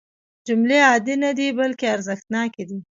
جملې عادي نه دي بلکې ارزښتناکې دي.